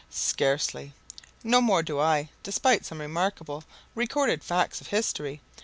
"Scarcely!" "No more do I, despite some remarkable recorded facts of history.